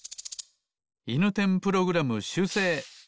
いぬてんプログラムしゅうせい。